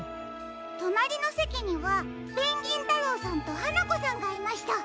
となりのせきにはペンギンたろうさんとはなこさんがいました。